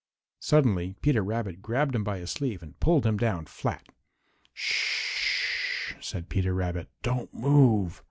Suddenly Peter Rabbit grabbed him by a sleeve and pulled him down flat. "Sh h h," said Peter Rabbit, "don't move."